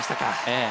ええ。